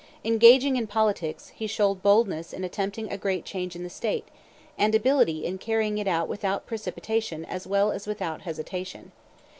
Engaging in politics, he showed boldness in attempting a great change in the state, and ability in carrying it out without precipitation as well as without hesitation.